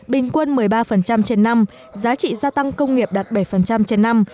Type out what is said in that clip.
bình quân một mươi ba trên năm giá trị gia tăng công nghiệp đạt bảy trên năm